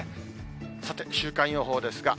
さて、週間予報ですが。